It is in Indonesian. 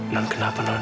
nen kenapa nen